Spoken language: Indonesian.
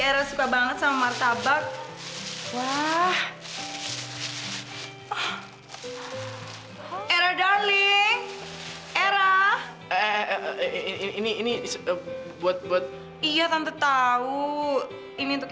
era suka banget sama martabak wah era darling era ini ini buat buat iya tante tahu ini untuk